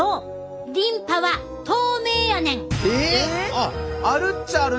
あっあるっちゃあるな。